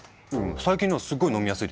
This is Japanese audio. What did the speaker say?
最近のはすごい飲みやすいですよ。